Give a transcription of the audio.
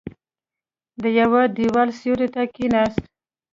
د يوه دېوال سيوري ته کېناست.